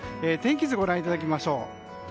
天気図をご覧いただきましょう。